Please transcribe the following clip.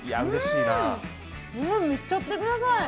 いっちゃってください！